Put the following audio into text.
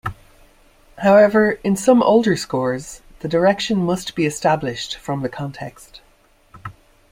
However, in some older scores the direction must be established from the context.